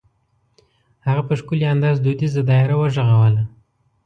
هغه په ښکلي انداز دودیزه دایره وغږوله.